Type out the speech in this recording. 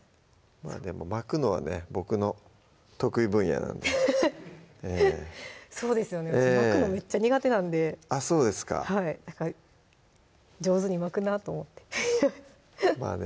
まぁでも巻くのはね僕の得意分野なんでそうですよね私巻くのめっちゃ苦手なんであっそうですかはいだから上手に巻くなと思ってまぁね